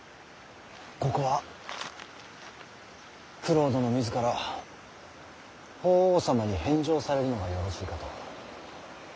ここは九郎殿自ら法皇様に返上されるのがよろしいかと。